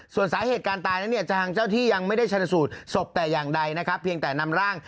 ส่วนสาเหตุการตายนะเนี่ยทางเจ้าที่ยังไม่ได้ชนสูตรสบแต่อย่างใดนะครับ